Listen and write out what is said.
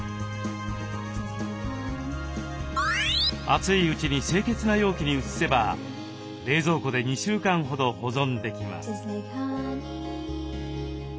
熱いうちに清潔な容器に移せば冷蔵庫で２週間ほど保存できます。